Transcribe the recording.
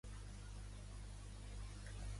On van desplaçar-se Falces i dos familiars seus?